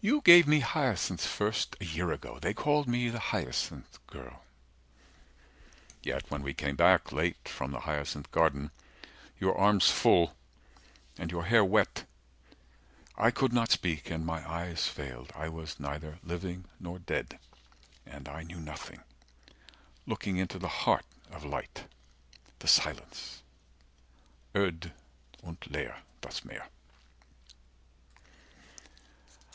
"You gave me hyacinths first a year ago; 35 They called me the hyacinth girl." —Yet when we came back, late, from the Hyacinth garden, Your arms full, and your hair wet, I could not Speak, and my eyes failed, I was neither Living nor dead, and I knew nothing, 40 Looking into the heart of light, the silence. Öd' und leer das Meer.